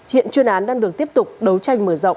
hiện chuyên án đang được tiếp tục đấu tranh mở rộng